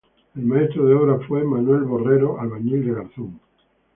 El maestro de obra fue Manuel Borrero, albañil de Garzón.